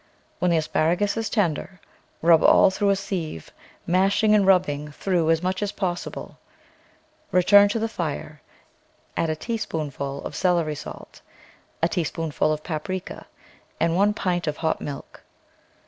When the as paragus is tender, rub all through a sieve, mash ing and rubbing through as much as possible. Re turn to the fire, add a teaspoonful of celery salt, a teaspoonful of paprika, and one pint of hot milk.